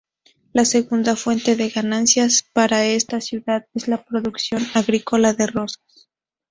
La segunda fuente de ganancias para esta ciudad es la producción agrícola de rosas.